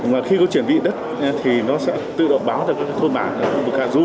mà khi có chuyển vị đất thì nó sẽ tự động báo cho các cái thôn bản của khu vực hà du